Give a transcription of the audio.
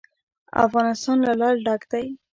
افغانستان له لعل ډک دی.